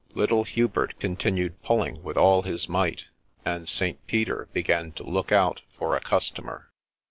Little Hubert continued pulling with all his might, — and St. Peter began to look out for a customer.